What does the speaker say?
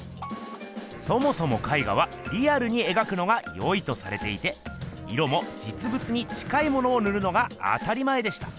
そもそも絵画はリアルに描くのがよいとされていて色もじつぶつに近いものをぬるのが当たり前でした。